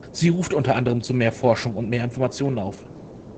Sie ruft unter anderem zu mehr Forschung und mehr Informationen auf.